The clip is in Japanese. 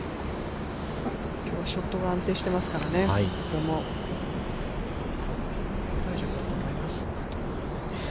ショットが安定していますからね、ここも大丈夫だと思います。